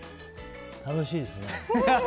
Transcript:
楽しいですね。